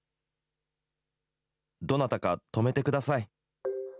どなたか泊めてください。